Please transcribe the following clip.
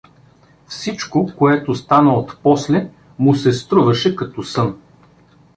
Всичко, което стана отпосле, му се струваше като сън.